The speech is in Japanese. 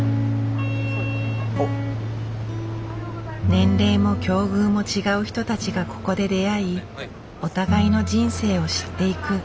年齢も境遇も違う人たちがここで出会いお互いの人生を知っていく。